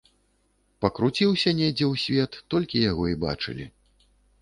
Пакруціўся недзе ў свет, толькі яго і бачылі.